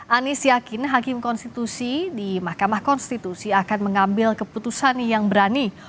anies yakin hakim konstitusi di mahkamah konstitusi akan mengambil keputusan yang berani